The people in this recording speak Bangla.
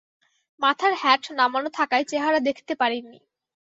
মাথার হ্যাট নামানো থাকায় চেহারা দেখতে পারিনি।